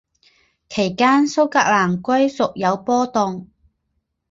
期间苏格兰归属有波动。